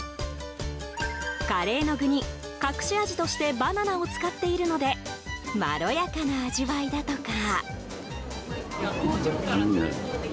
カレーの具に隠し味としてバナナを使っているのでまろやかな味わいだとか。